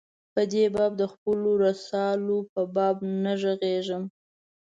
په دې باب د خپلو رسالو په باب نه ږغېږم.